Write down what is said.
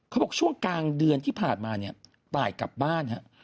เขาบอกช่วงกลางเดือนที่ผ่านมาเนี่ยตายกลับบ้านครับ